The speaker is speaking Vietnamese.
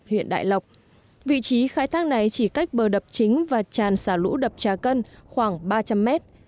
huyện đại lộc vị trí khai thác này chỉ cách bờ đập chính và tràn xả lũ đập trà cân khoảng ba trăm linh mét